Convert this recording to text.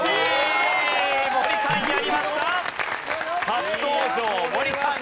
初登場森さん